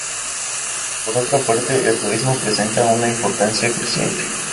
Por otra parte, el turismo presenta una importancia creciente.